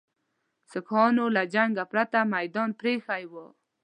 سیکهانو له جنګه پرته میدان پرې ایښی وو.